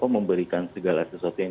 memberikan segala sesuatu yang